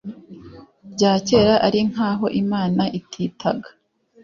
rya kera, ari nk'aho imana ititaga